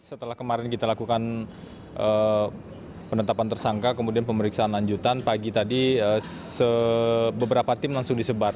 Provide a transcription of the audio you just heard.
setelah kemarin kita lakukan penetapan tersangka kemudian pemeriksaan lanjutan pagi tadi beberapa tim langsung disebar